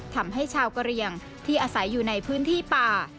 ทำให้ชาวกะเรียงที่อาศัยอยู่ในพื้นที่ป่า